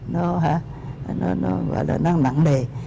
nó hả nó là nó nặng đề